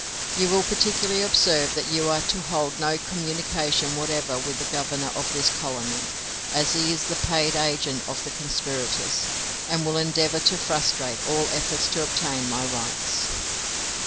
You will particularly observe that you are to hold no communication whatever with the Governor of this colony, as he is the paid agent of the conspirators, and will endeavour to frustrate all efforts to obtain my rights.